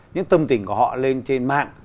những tâm tình của họ lên trên mạng